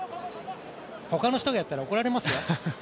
他の人がやったら怒られますよ。